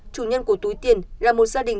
chủ nhân của túi tiền là một gia đình